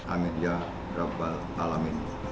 amin ya rabbal alamin